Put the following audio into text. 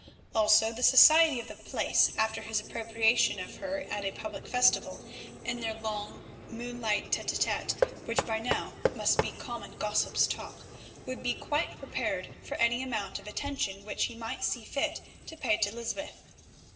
Also, the society of the place, after his appropriation of her at a public festival and their long moonlight tête à tête, which by now must be common gossip's talk, would be quite prepared for any amount of attention which he might see fit to pay to Lysbeth.